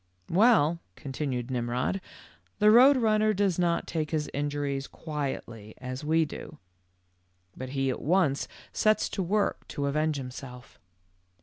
"Well," continued Mmrod, ''the Koad Run ner does not take his injuries quietly as we do, but he at once sets to work to avenge him self.